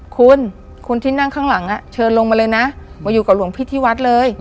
คุณคุณที่นั่งข้างหลังเชิญลงมาเลยนะมาอยู่กับหลวงพี่ที่วัดเลย